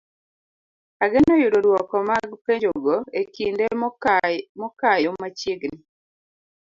Ageno yudo dwoko mag penjogo e kinde mokayo machiegni.